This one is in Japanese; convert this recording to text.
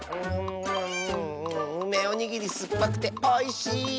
うめおにぎりすっぱくておいしい！